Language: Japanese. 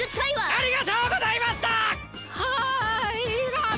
ありがとうございました！ありがと。